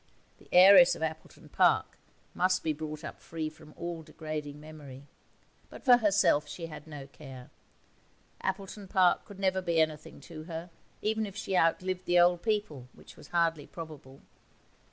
The heiress of Appleton Park must be brought up free from all degrading memory. But for herself she had no care. Appleton Park could never be anything to her, even if she outlived the old people, which was hardly probable.